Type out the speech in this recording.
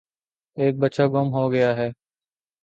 ایک بچہ گُم ہو گیا ہے۔